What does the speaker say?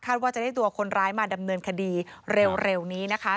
ว่าจะได้ตัวคนร้ายมาดำเนินคดีเร็วนี้นะคะ